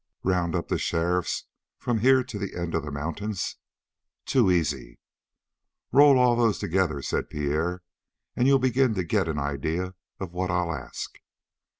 "Round up the sheriffs from here to the end of the mountains?" "Too easy." "Roll all those together," said Pierre, "and you'll begin to get an idea of what I'll ask."